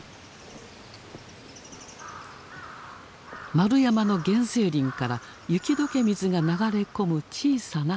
円山の原生林から雪解け水が流れ込む小さな沼。